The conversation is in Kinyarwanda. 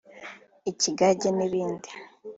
ikigage n’ibindi